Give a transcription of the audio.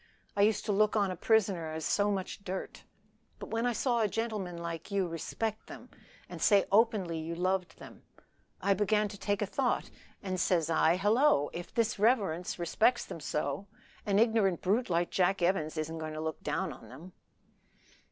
I used to look on a prisoner as so much dirt. But when I saw a gentleman like you respect them, and say openly you loved them, I began to take a thought, and says I, Hallo! if his reverence respects them so, an ignorant brute like Jack Evans isn't to look down on them."